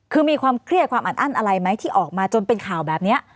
คือมีความเครียดความอัดอั้นอะไรไหมที่ออกมาจนเป็นข่าวแบบนี้